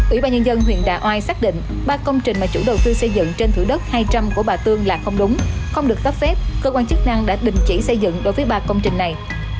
ủy ban nhân dân huyện đà oai xác định ba công trình mà chủ đầu tư xây dựng trên thử đất hai trăm linh của bà tương là không đúng không được tấp phép cơ quan chức năng đã đình chỉ xây dựng đối với ba công trình này